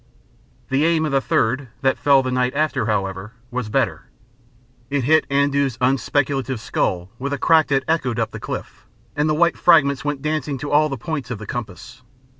The aim of the third, that fell the night after, however, was better. It hit Andoo's unspeculative skull with a crack that echoed up the cliff, and the white fragments went dancing to all the points of the compass.